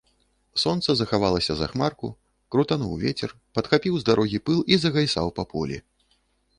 Сонца захавалася за хмарку, крутануў вецер, падхапіў з дарогі пыл і загайсаў па полі.